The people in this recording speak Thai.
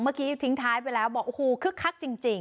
เมื่อกี้ทิ้งท้ายไปแล้วบอกโอ้โหคึกคักจริง